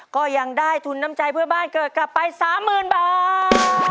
ก็ยังได้ทุนน้ำใจเพื่อบ้านเกิดกลับไป๓๐๐๐บาท